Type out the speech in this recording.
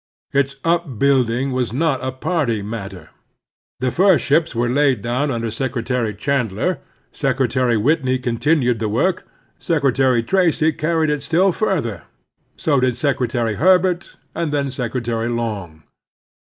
Its upbuilding was not a party matter. The first ships were laid down under Secretary Chandler; Secretary Whitney continued the work; Secretary Tracy carried it still further; so did Secretary Herbert, and then Secretary Long.